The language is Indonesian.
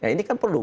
ini kan perlu